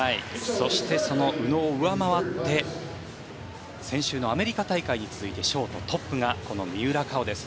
そしてその宇野を上回って先週のアメリカ大会に続いてショートトップがこの三浦佳生です。